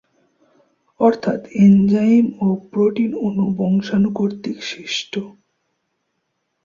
অর্থাৎ এনজাইম ও প্রোটিন অণু বংশাণু কর্তৃক সৃষ্ট।